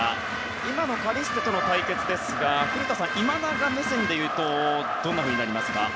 今のカリステとの対決ですが古田さん、今永目線でいうとどんなふうになりますか。